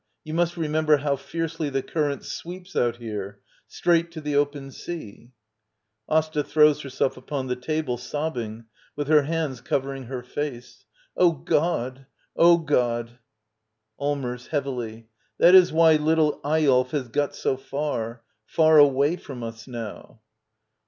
You must remember how fiercely the current sweeps out here — straight to the open sea, Asta. [Throws herself upon the table, sobbing, with her hands covering her face.] Oh, God ! Oh, God! Allmbrs. [Heavily.] That is why little Eyolf has got so far — far away from us now.